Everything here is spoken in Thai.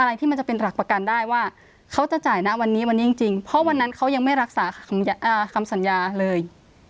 อะไรที่มันจะเป็นหลักประกันได้ว่าเขาจะจ่ายนะวันนี้วันนี้จริงเพราะวันนั้นเขายังไม่รักษาคำสัญญาเลย